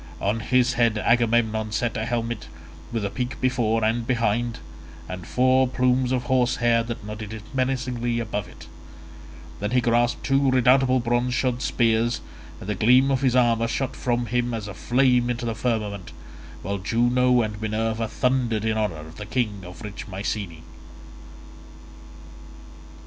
On his head Agamemnon set a helmet, with a peak before and behind, and four plumes of horse hair that nodded menacingly above it; then he grasped two redoubtable bronze shod spears, and the gleam of his armour shot from him as a flame into the firmament, while Juno and Minerva thundered in honour of the king of rich Mycene.